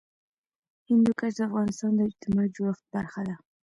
هندوکش د افغانستان د اجتماعي جوړښت برخه ده.